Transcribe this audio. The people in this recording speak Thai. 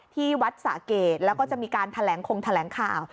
ที่วัดสะเกดแล้วก็จะมีการแถลงคงแถลงข่าว